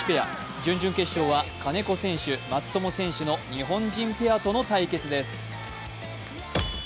準々決勝は金子選手、松友選手の日本人ペアとの対決です。